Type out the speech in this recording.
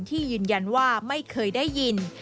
ยืนยันว่าไม่เคยได้ยิน